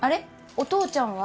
お父ちゃんは？